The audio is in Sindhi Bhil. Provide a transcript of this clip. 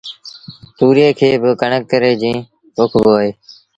تُوريئي کي با ڪڻڪ ري جيٚن پوکبو اهي